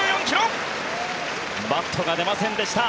バットが出ませんでした。